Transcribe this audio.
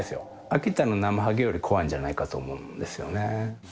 秋田のなまはげより怖いんじゃないかと思うんですよね。